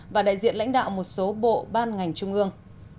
và đại diện lãnh đạo một số bộ ban ngành trung ương